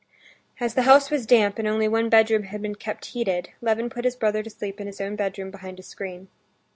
As the house was damp, and only one bedroom had been kept heated, Levin put his brother to sleep in his own bedroom behind a screen.